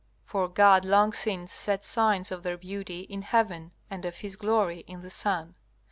For God long since set signs of their beauty in heaven, and of His glory in the sun.